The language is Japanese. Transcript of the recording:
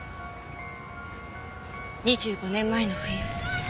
２５年前の冬。